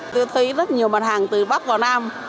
tôi thấy rất nhiều mặt hàng từ bắc vào nam